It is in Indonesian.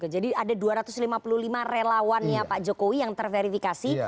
jadi ada dua ratus lima puluh lima relawan pak jokowi yang terverifikasi